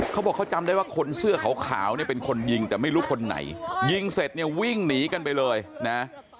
เขาบอกเขาจำได้ว่าคนเสื้อขาวเนี่ยเป็นคนยิงแต่ไม่รู้คนไหนยิงเสร็จเนี่ยวิ่งหนีกันไปเลยนะ